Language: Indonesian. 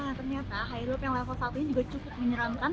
nah ternyata high rope yang level satu ini juga cukup menyeramkan